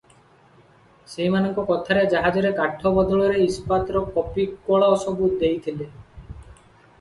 ସେହିମାନଙ୍କ କଥାରେ ଜାହାଜରେ କାଠ ବଦଳରେ ଇସ୍ପାତର କପି କଳ ସବୁ ଦେଇଥିଲି ।